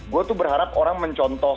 gue tuh berharap orang mencontoh